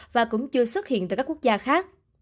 và cũng chưa xuất hiện tại các quốc gia khác